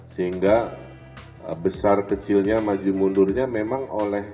sehingga besar kecilnya maju mundurnya memang orang orang yang berpikirnya adalah orang orang yang berpikirnya